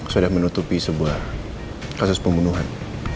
sudah menutupi sebuah kasus pembunuhan